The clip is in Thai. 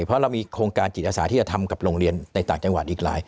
เพราะเรามีโครงการจิตอาสาที่จะทำกับโรงเรียนในต่างจังหวัดอีกหลาย